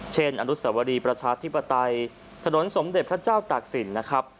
อนุสวรีประชาธิปไตยถนนสมเด็จพระเจ้าตากศิลป์นะครับ